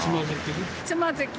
つまずき。